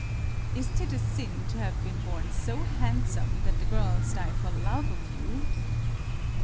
Isn't it a sin to have been born so handsome that the girls die for love of you?